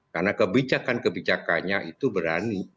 karena kebijakan kebijakannya itu berani